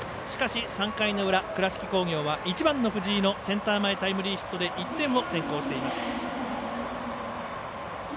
しかし３回の裏、倉敷工業は１番の藤井のセンター前タイムリーヒットで１点を先行しています。